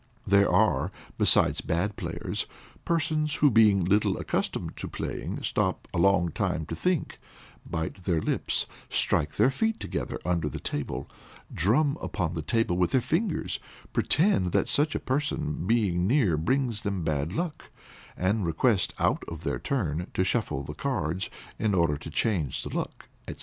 There are, besides, bad players, persons who being little accustomed to playing, stop a long time to think, bite their lips, strike their feet together under the table, drum upon the table with their fingers; pretend that such a person being near brings them bad luck, and request out of their turn to shuffle the cards, in order to change the luck, &c.